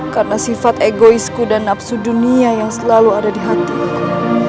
karena sifat egoisku dan nafsu dunia yang selalu ada di hatiku